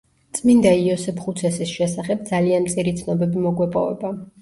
წმინდა იოსებ ხუცესის შესახებ ძალიან მწირი ცნობები მოგვეპოვება.